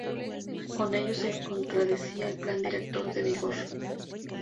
Con ello se contradecía el Plan Director en vigor.